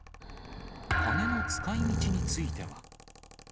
金の使いみちについては。